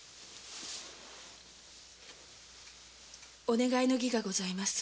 お願いがございます。